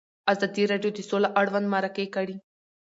ازادي راډیو د سوله اړوند مرکې کړي.